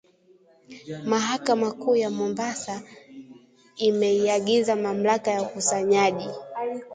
Mahakama kuu ya Mombasa imeiagiza mamlaka ya ukusanyaji